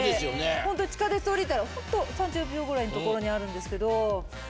ホントに地下鉄降りたら３０秒ぐらいのところにあるんですけど。